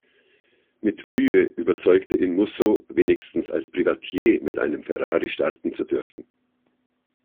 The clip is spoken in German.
Mit Mühe überzeugte ihn Musso, wenigstens als Privatier mit einem Ferrari starten zu dürfen.